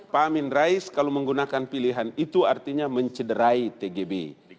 pak amin rais kalau menggunakan pilihan itu artinya mencederai tgb